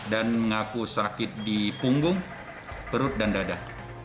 dan mengaku sakit di punggung perut dan dada